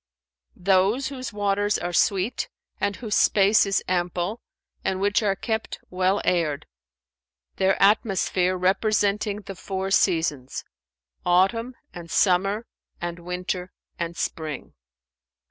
"Those whose waters are sweet and whose space is ample and which are kept well aired; their atmosphere representing the four seasons—autumn and summer and winter and spring."